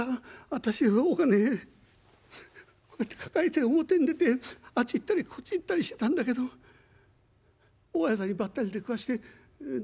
私お金こうやって抱えて表に出てあっち行ったりこっち行ったりしてたんだけど大家さんにばったり出くわして『どうしたんだい？様子がおかしい』。